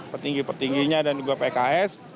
petinggi petingginya dan juga pks